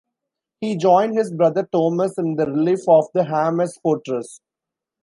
He joined his brother Thomas in the relief of the Hammes fortress.